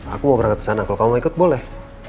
aku mau berangkat ke sana kalau kamu ikut boleh